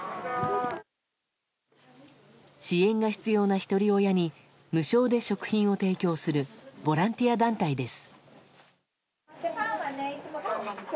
支援が必要なひとり親に無償で食品を提供するボランティア団体です。